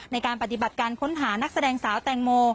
ในการปฏิบัติการค้นหานักแสดงสาวแตงโม